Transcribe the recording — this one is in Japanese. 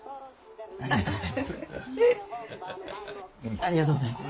ありがとうございます。